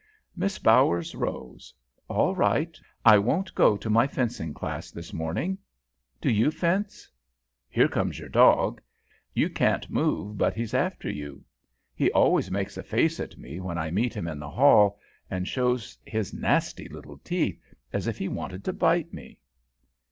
Miss Bower rose. "All right. I won't go to my fencing lesson this morning. Do you fence? Here comes your dog. You can't move but he's after you. He always makes a face at me when I meet him in the hall, and shows his nasty little teeth as if he wanted to bite me."